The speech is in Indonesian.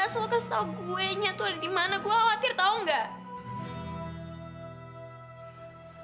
asal lo kasih tau gue nya tuh ada dimana gue khawatir tau gak